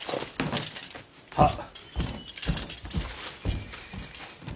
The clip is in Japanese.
はっ。